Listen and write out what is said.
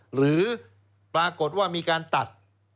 หรือปรากฏว่ามีการตัด